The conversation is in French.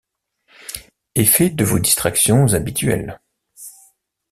Effet de vos distractions habituelles.